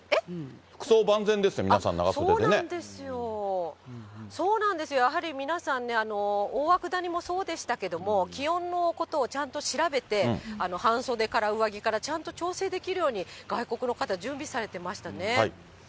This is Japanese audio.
服装、万全ですね、皆さん、そうなんですよ、やはり皆さんね、大涌谷もそうでしたけれども、気温のことをちゃんと調べて、半袖から上着から、ちゃんと調整できるように、外国の方、準備されてましたね。